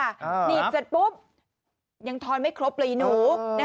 หนีบเสร็จปุ๊บยังทอนไม่ครบเลยหนู